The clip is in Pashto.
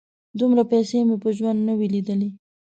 _دومره پيسې مې په ژوند نه وې لېدلې.